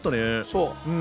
そう。